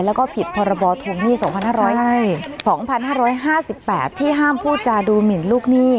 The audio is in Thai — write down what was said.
แล้วก็ผิดพศ๒๕๐๐ที่ห้ามพูดจาดูหมินลูกนี่